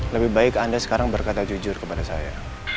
lebih baik anda sekarang berkata jujur kepada saya